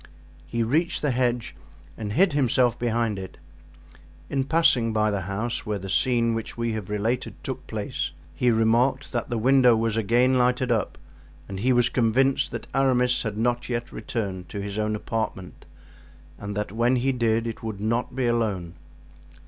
He reached the hedge and hid himself behind it; in passing by the house where the scene which we have related took place, he remarked that the window was again lighted up and he was convinced that Aramis had not yet returned to his own apartment and that when he did it would not be alone.